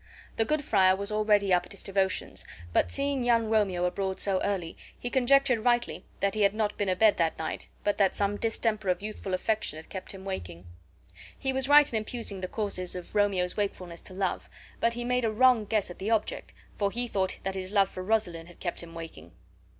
The good friar was already up at his devotions, but, seeing young Romeo abroad so early, he conjectured rightly that he had not been abed that night, but that some distemper of youthful affection had kept him waking. He was right in imputing the cause of Romeo's wakefulness to love, but he made a wrong guess at the object, for he thought that his love for Rosaline had kept him waking.